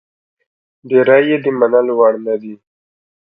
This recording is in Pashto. ډېرې یې د منلو وړ نه دي.